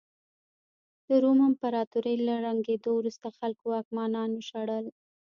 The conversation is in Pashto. د روم امپراتورۍ له ړنګېدو وروسته خلکو واکمنان وشړل